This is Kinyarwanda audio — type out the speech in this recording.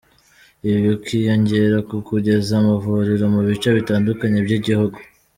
Ibi bikiyongera ku kugeza amavuriro mu bice bitandukanye by’igihugu.